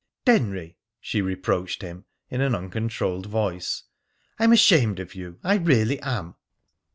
"Denry!" she reproached him, in an uncontrolled voice. "I'm ashamed of you! I really am!"